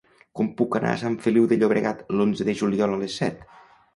Com puc anar a Sant Feliu de Llobregat l'onze de juliol a les set?